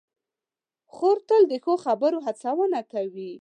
خور تل د ښو خبرو هڅونه کوي.